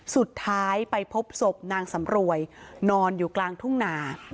สุดท้ายไปพบศพนางสำรวยนอนอยู่กลางทุ่งนา